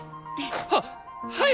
はっはい！